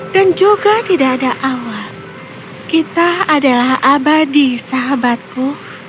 dan juga tidak ada awal kita adalah abadi sahabatku